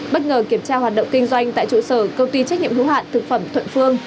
bất ngờ kiểm tra hoạt động kinh doanh tại trụ sở công ty trách nhiệm hữu hạn thực phẩm thuận phương